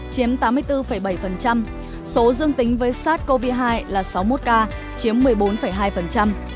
chiếm tám mươi bốn bảy số dương tính với sars cov hai là sáu mươi một ca chiếm một mươi bốn hai